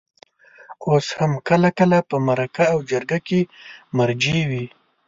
اوس هم کله کله په مرکه او جرګه کې مرجع وي.